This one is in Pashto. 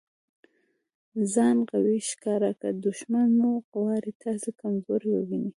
ځان قوي ښکاره که! دوښمن مو غواړي تاسي کمزوری وویني.